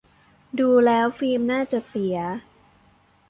ดูแล้วฟิล์มน่าจะเสีย